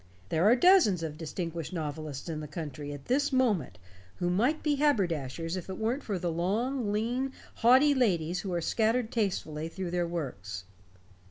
There are dozens of distinguished novelists in the country at this moment who might be haberdashers if it weren't for the long, lean, haughty ladies who are scattered tastefully through their works."